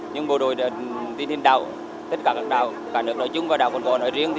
nhưng bộ đội thì nên đảo tất cả các đảo cả nước nói chung và đảo cồn cỏ nói riêng